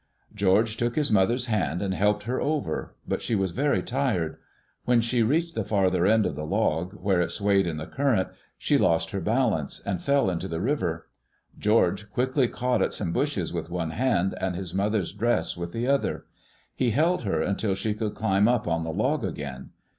George took his mother^s hand and helped her over, but she was very tired. When she reached the farther end of the log, where it swayed in the current, she lost her bal ance and fell into the river. George quickly caught at some bushes with one hand and his mother^s dress with the other. He held her until she could climb up on the log again.